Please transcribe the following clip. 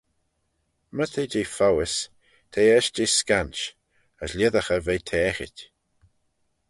My t'eh jeh foays, t'eh eisht jeh scansh, as lhisagh eh ve taaghit.